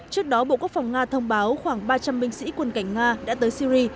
trước đó bộ quốc phòng nga thông báo khoảng ba trăm linh binh sĩ quân cảnh nga đã tới syri